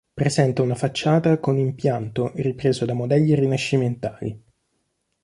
Presenta una facciata con impianto ripreso da modelli rinascimentali.